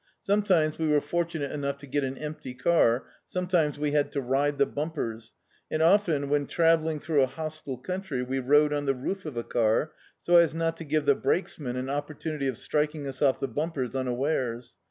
Sometfaimes we were fortunate enough to get an empty car; sometimes we had to ride the bumpers; and often, when travelling through a hos tile country, we rode on the roof of a car, so as not to give the brakesman an opportunity of striking us off the bumpers unawares.